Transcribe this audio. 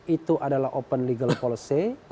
itu adalah open legal policy